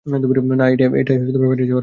না, এটাই বাইরে যাওয়ার রাস্তা।